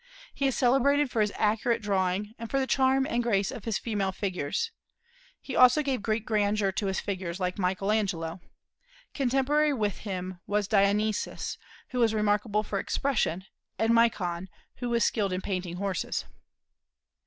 He is celebrated for his accurate drawing, and for the charm and grace of his female figures. He also gave great grandeur to his figures, like Michael Angelo. Contemporary with him was Dionysius, who was remarkable for expression, and Micon, who was skilled in painting horses.